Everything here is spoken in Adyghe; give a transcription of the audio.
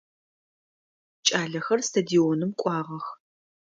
Кӏалэхэр стадионым кӏуагъэх.